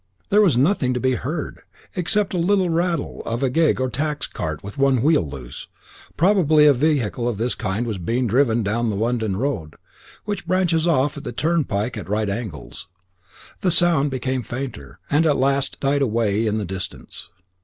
There was nothing to be heard, except the rattle of a gig or tax cart with one wheel loose: probably a vehicle of this kind was being driven down the London road, which branches off at the turnpike at right angles. The sound became fainter, and at last died away in the distance.